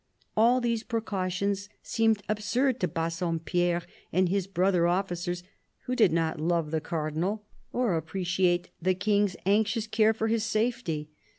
All these precautions seemed absurd to Bassompierre arid his brother officers, who did not love the Cardinal or appreciate the King's anxious care for his safety.